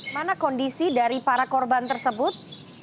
mana kondisi dari para korban tersebut